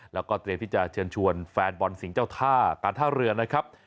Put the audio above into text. แล้วก็เตรียมที่จะเชิญชวนแฟนบอลสิ่งเจ้าท่าการท่าเรือนะครับ